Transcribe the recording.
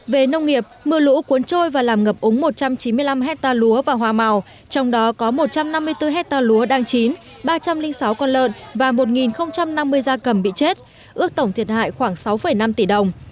về nông nghiệp mưa lũ cuốn trôi và làm ngập ống một trăm chín mươi năm hectare lúa và hoa màu trong đó có một trăm năm mươi bốn hectare lúa đang chín ba trăm linh sáu con lợn và một năm mươi da cầm bị chết ước tổng thiệt hại khoảng sáu năm tỷ đồng